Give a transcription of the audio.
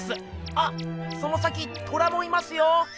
あその先トラもいますよ。